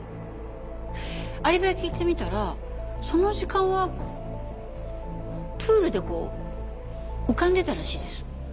アリバイ聞いてみたらその時間はプールでこう浮かんでたらしいです。